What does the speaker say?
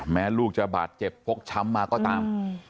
แม่ลูกจะบาดเจ็บพกช้ำมาก็ตาม